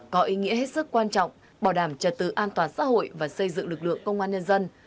có ý nghĩa hết sức quan trọng bảo đảm trật tự an toàn xã hội và xây dựng lực lượng công an nhân dân